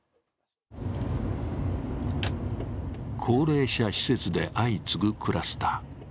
高齢者施設で相次ぐクラスター。